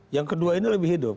yang kedua ini lebih hidup